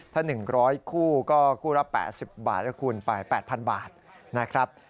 ถ้า๑๐๐คู่ก็คู่ละ๘๐บาทนะคุณไป๘๐๐บาทนะครับ